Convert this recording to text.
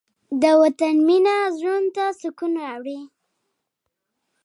د وطن مینه زړونو ته سکون راوړي.